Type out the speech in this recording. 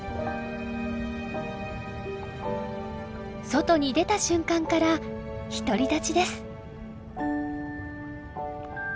外に出た瞬間から独り立ちです。